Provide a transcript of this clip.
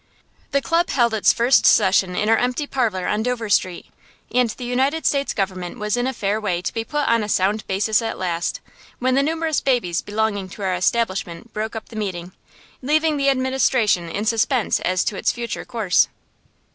The club held its first session in our empty parlor on Dover Street, and the United States Government was in a fair way to be put on a sound basis at last, when the numerous babies belonging to our establishment broke up the meeting, leaving the Administration in suspense as to its future course.